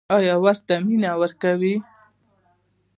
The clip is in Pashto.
ایا ورته مینه ورکوئ؟